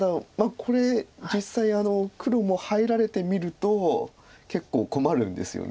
これ実際黒も入られてみると結構困るんですよね。